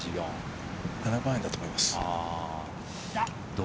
７番アイアンだと思います。